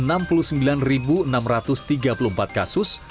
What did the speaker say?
ada enam puluh sembilan enam ratus tiga puluh empat kasus